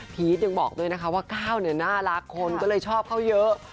ยังบอกด้วยนะคะว่าก้าวเนี่ยน่ารักคนก็เลยชอบเขาเยอะ